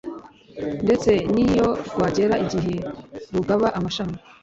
Ndetse n’iyo rwagera igihe rugaba amashami,